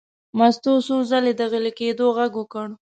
مستو څو ځلې د غلي کېدو غږ وکړ.